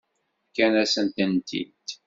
Fkan-asen-tent-id.